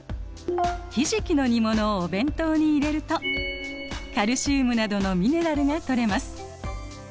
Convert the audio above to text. ひじきの煮物をお弁当に入れるとカルシウムなどのミネラルがとれます。